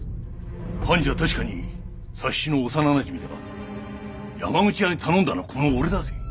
半次は確かに佐七の幼なじみだが山口屋に頼んだのはこの俺だぜ。